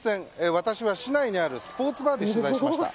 私は市内にあるスポーツバーで取材しています。